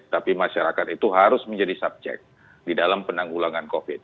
tapi masyarakat itu harus menjadi subjek di dalam penanggulangan covid